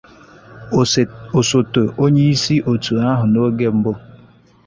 osote onyeisi òtù ahụ n'oge mbụ